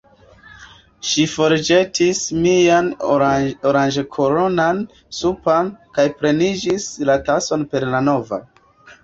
Ŝi forĵetis mian oranĝkoloran supon kaj plenigis la tason per la nova.